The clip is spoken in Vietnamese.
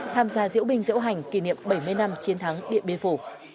tham gia diễu binh diễu hành kỷ niệm bảy mươi năm chiến thắng điện biên phủ